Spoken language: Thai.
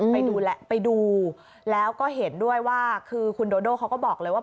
ไปดูแหละไปดูแล้วก็เห็นด้วยว่าคือคุณโดโดเขาก็บอกเลยว่า